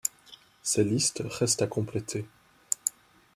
Ces listes restent à compléter.